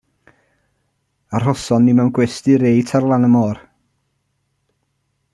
Arhoson ni mewn gwesty reit ar lan y môr.